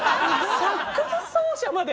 サックス奏者まで。